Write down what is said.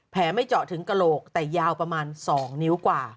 ไม่เจาะถึงกระโหลกแต่ยาวประมาณ๒นิ้วกว่า